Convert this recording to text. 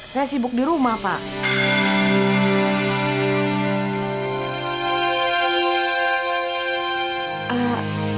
saya sibuk di rumah pak